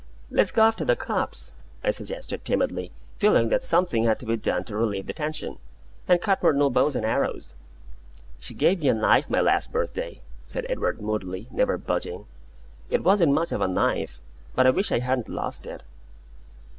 "Let's go off to the copse," I suggested timidly, feeling that something had to be done to relieve the tension, "and cut more new bows and arrows." "She gave me a knife my last birthday," said Edward, moodily, never budging. "It wasn't much of a knife but I wish I hadn't lost it."